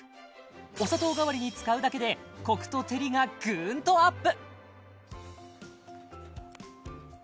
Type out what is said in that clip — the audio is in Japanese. お砂糖代わりに使うだけでコクと照りがグンとアップ